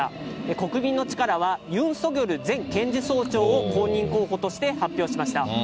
国民の力はユン・ソギョル前検事総長を公認候補として発表しました。